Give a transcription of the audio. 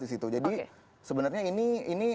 di situ jadi sebenarnya ini